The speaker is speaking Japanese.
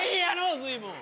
随分。